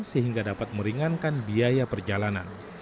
sehingga dapat meringankan biaya perjalanan